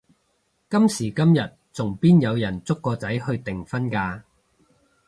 今時今日仲邊有人捉個仔去訂婚㗎？